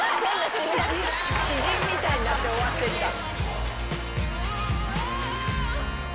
詩人みたいになって終わってった。